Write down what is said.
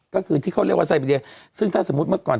ก็คือที่เขาเรียกว่าไซเบเดียซึ่งถ้าสมมุติเมื่อก่อน